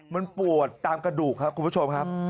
มันปวดตามกระดูกครับคุณผู้ชมครับ